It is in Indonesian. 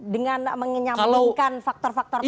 dengan mengenyamkan faktor faktor tadi